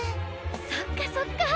そっかそっか。